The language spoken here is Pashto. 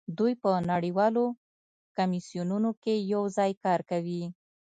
دوی په نړیوالو کمیسیونونو کې یوځای کار کوي